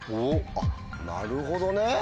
あなるほどね。